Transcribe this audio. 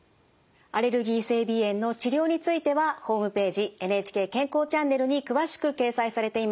アレルギー性鼻炎の治療についてはホームページ「ＮＨＫ健康チャンネル」に詳しく掲載されています。